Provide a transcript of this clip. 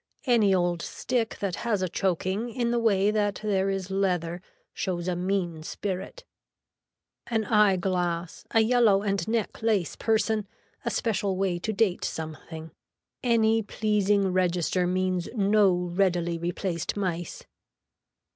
Any old stick that has a choking in the way that there is leather shows a mean spirit. An eye glass, a yellow and neck lace person, a special way to date something, any pleasing register means no readily replaced mice.